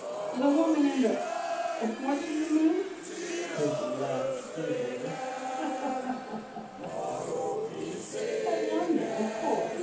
"The woman in the What do you mean?" Bridgie laughed easily. "At London, of course.